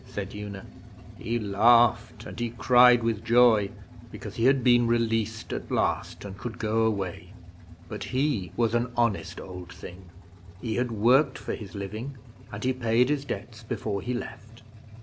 said Una. 'He laughed and he cried with joy, because he had been released at last, and could go away. But he was an honest Old Thing. He had worked for his living and he paid his debts before he left.